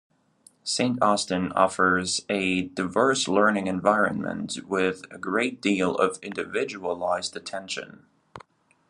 Saint Austin offers a diverse learning environment with a great deal of individualized attention.